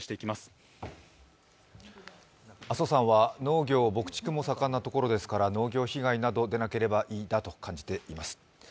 阿蘇山は農業牧畜も盛んなところですから農業被害など出なければいいなと感じています。